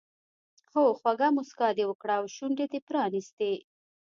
هو خوږه موسکا دې وکړه او شونډې دې پرانیستې.